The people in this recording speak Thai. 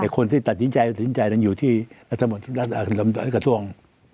คนที่ตัดสินใจตัดสินใจนั้นอยู่ที่กระทรวง